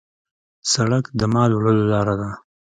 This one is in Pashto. سړک د مال وړلو لار ده.